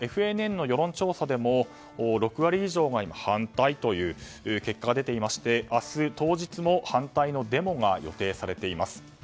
ＦＮＮの世論調査でも６割以上が反対という結果が出ていまして明日当日も反対のデモが予定されています。